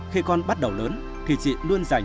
khi con bắt đầu lớn thì chị luôn dành